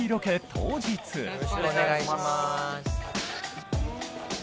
当日よろしくお願いします